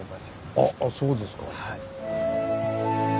あっそうですか。